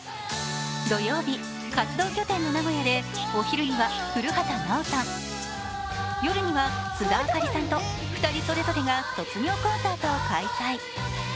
土曜日、活動拠点の名古屋でお昼には古畑奈和さん、夜には須田亜香里さんと２人それぞれが卒業コンサートを開催。